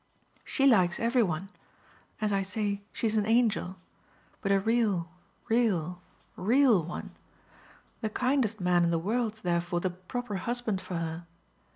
"She likes every one. As I say, she's an angel but a real, real, real one. The kindest man in the world's therefore the proper husband for her.